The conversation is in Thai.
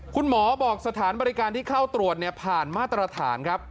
คุณหมอบอกสถานบริการที่เข้าตรวจผ่านมาตรฐานครับ